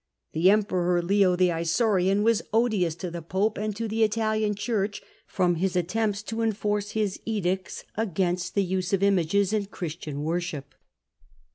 The emperor Leo the Isanrian was odious to the pope, and to the Italian Ohnrch from his attempts to enforce his edicts against the use of images in Christian worship.